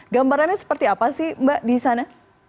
gambarannya seperti apa sih mbak di sana